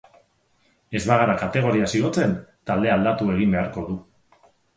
Ez bagara kategoriaz igotzen taldea aldatu egin beharko du.